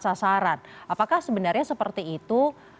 sasaran apakah sebenarnya seperti itu